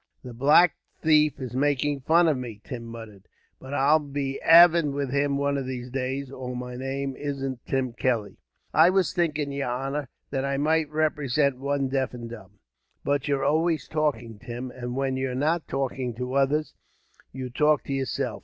"The black thief is making fun of me," Tim muttered; "but I'll be aven with him one of these days, or my name isn't Tim Kelly. "I was thinking, yer honor, that I might represent one deaf and dumb." "But you're always talking, Tim, and when you're not talking to others, you talk to yourself.